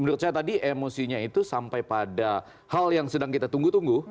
menurut saya tadi emosinya itu sampai pada hal yang sedang kita tunggu tunggu